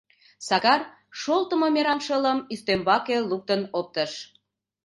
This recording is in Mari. Сакар шолтымо мераҥ шылым ӱстембаке луктын оптыш: